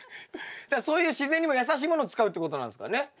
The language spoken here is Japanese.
そういう自然にもやさしいものを使うってことなんですかね？